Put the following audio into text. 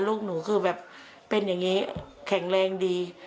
ลูกหนูคือแบบเป็นอย่างนี้แข็งแรงดี